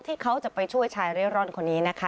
ที่เขาจะไปช่วยชายเร่ร่อนคนนี้นะคะ